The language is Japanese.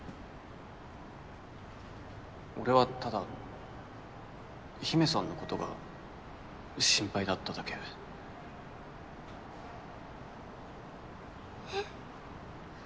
俺はただ陽芽さんのことが心配だっただけへっ？